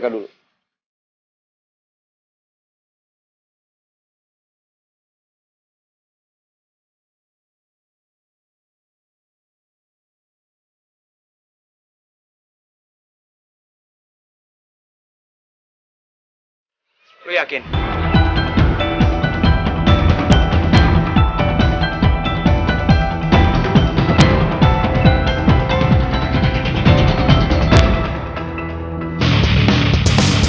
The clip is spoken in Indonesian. terus lo gak menunggu